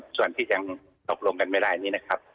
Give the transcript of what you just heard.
ส่วนที่ยังตกลงกันไม่ได้นี้นะครับ